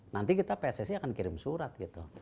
nanti kita pssi akan kirim surat gitu